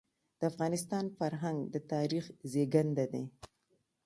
د افغانستان فرهنګ د تاریخ زېږنده دی.